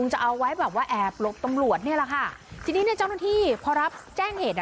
จะเอาไว้แบบว่าแอบหลบตำรวจเนี่ยแหละค่ะทีนี้เนี่ยเจ้าหน้าที่พอรับแจ้งเหตุอ่ะ